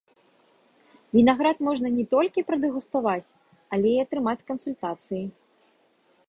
Вінаград можна не толькі прадэгуставаць, але і атрымаць кансультацыі.